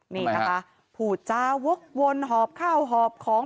นี่นะคะผูจาวกวนหอบข้าวหอบของ